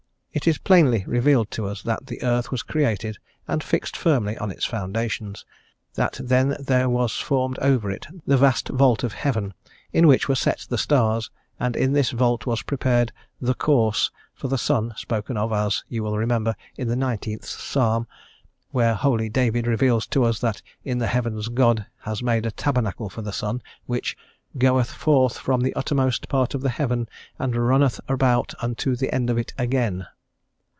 It is plainly revealed to us that the earth was created and fixed firmly on its foundations; that then there was formed over it the vast vault of heaven, in which were set the stars, and in this vault was prepared "the course" for the sun, spoken of, as you will remember, in the 19th Psalm, where holy David reveals to us that in the heavens God has made a tabernacle for the sun, which "goeth forth from the uttermost part of the heaven, and runneth about unto the end of it again."